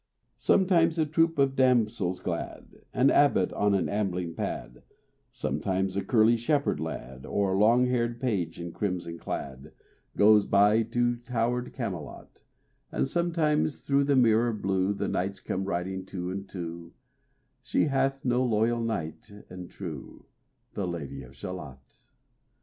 Sometimes a troop of damsels glad, An abbot on an ambling pad, Sometimes a curly shepherd lad, Or long haired page in crimson clad, Goes by to towered Camelot; And sometimes through the mirror blue The knights come riding two and two: She hath no loyal knight and true, The Lady of Shalott.